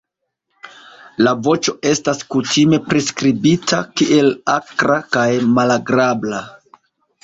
La voĉo estas kutime priskribita kiel akra kaj malagrabla.